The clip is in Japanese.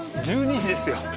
１２時ですよ。